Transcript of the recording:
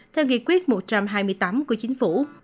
theo nghị quyết một trăm hai mươi tám của chính phủ